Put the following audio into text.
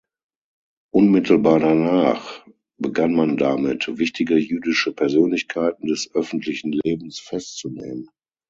Unmittelbar danach begann man damit, wichtige jüdische Persönlichkeiten des öffentlichen Lebens festzunehmen.